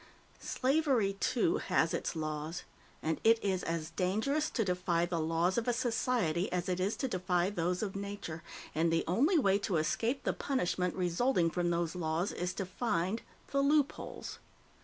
Slavery, too, has its laws, and it is as dangerous to defy the laws of a society as it is to defy those of nature, and the only way to escape the punishment resulting from those laws is to find the loopholes.